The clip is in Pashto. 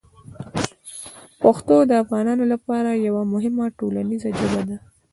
پښتو د افغانانو لپاره یوه مهمه ټولنیزه ژبه ده.